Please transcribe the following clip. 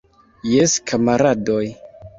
Jes, kamaradoj!